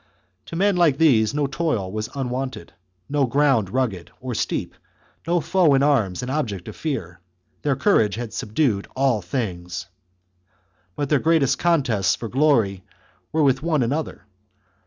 To men like these no toil was unwonted, no ground rugged or steep, no foe in arms an object of fear ; their courage had subdued all things. But their greatest contests for glory were with one another.